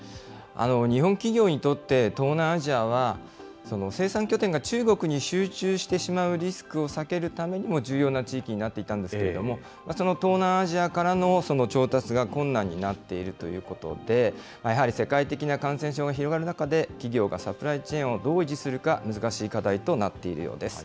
日本企業にとって、東南アジアは、生産拠点が中国に集中してしまうリスクを避けるためにも、重要な地域になっていたんですけれども、その東南アジアからの調達が困難になっているということで、やはり世界的な感染症が広がる中で、企業がサプライチェーンをどう維持するか、難しい課題となっているようです。